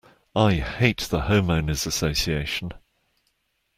I hate the Homeowners' Association.